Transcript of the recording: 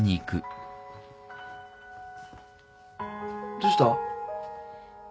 どうした？